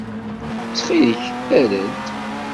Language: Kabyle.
Ttxil-k err-d.